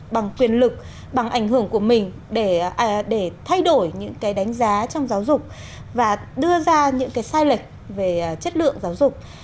bằng quyền lực bằng ảnh hưởng của mình để thay đổi những cái đánh giá trong giáo dục và đưa ra những cái sai lệch về chất lượng giáo dục